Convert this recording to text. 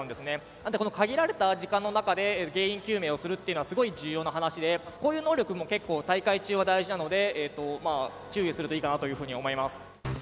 なんでこの限られた時間の中で原因究明をするっていうのはすごい重要な話でこういう能力も結構大会中は大事なので注意をするといいかなというふうに思います。